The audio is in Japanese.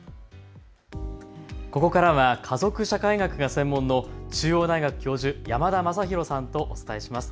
ここからは家族社会学が専門の中央大学教授の山田昌弘さんとお伝えします。